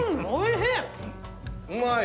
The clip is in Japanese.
うまい！